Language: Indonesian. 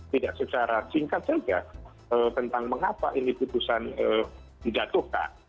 tidak secara singkat saja tentang mengapa ini putusan dijatuhkan